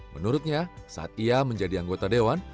menurutnya saat ia menjadi anggota dewan